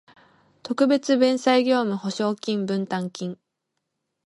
特別弁済業務保証金分担金